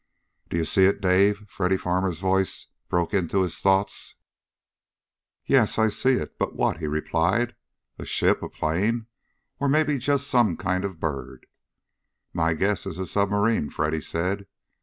"Do you see it, Dave?" Freddy Farmer's voice broke into his thoughts. "Yeah, I see it, but what?" he replied. "A ship, a plane, or maybe just some kind of a bird?" "My guess is a submarine," Freddy said.